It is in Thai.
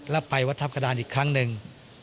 แล้วไปวัดทัพกระดานอีกครั้งหนึ่ง